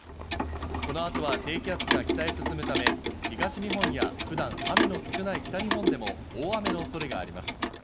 この後は低気圧が北へ進むため、東日本や普段、雨の少ない北日本でも大雨の恐れがあります。